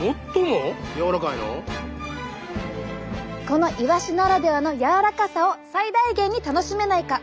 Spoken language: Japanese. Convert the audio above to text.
このイワシならではのやわらかさを最大限に楽しめないか。